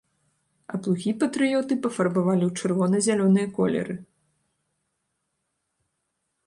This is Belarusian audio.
А плугі патрыёты пафарбавалі ў чырвона-зялёныя колеры.